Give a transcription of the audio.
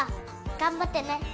頑張ってね！